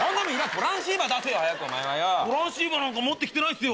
トランシーバーなんか持ってないっすよ。